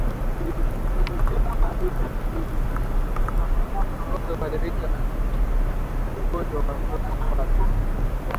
Ngombe huathirika na ugonjwa wa kuoza kwato